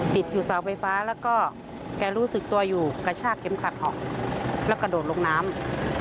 ติดอยู่เสาไฟฟ้าแล้วก็แกรู้สึกตัวอยู่กระชากเข็มขัดออกแล้วกระโดดลงน้ำ